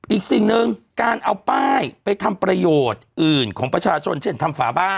อีกสิ่งหนึ่งการเอาป้ายไปทำประโยชน์อื่นของประชาชนเช่นทำฝาบ้าน